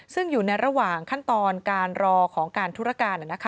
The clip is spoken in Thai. ซึ่งอยู่ในระหว่างขั้นตอนการรอของการธุรการ